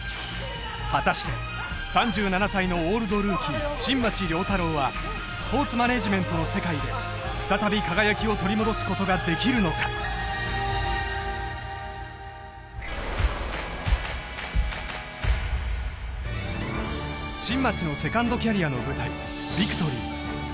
果たして３７歳のオールドルーキー新町亮太郎はスポーツマネージメントの世界で再び輝きを取り戻すことができるのか新町のセカンドキャリアの舞台ビクトリー